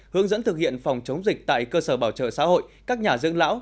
hướng dẫn thực hiện phòng chống dịch tại cơ sở bảo trợ xã hội các nhà dưỡng lão